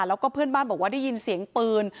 แล้วก็เพื่อนบ้านบอกว่าได้ยินเสียงปืน